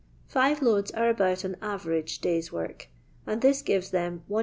Five loads are about an average da3r's work, and this gives that Is.